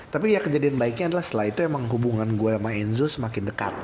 tapi ya kejadian baiknya adalah setelah itu emang hubungan gue sama enzo semakin dekat